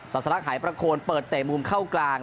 สรับสรักหายประโคลเปิดเตรมมุมเข้ากลาง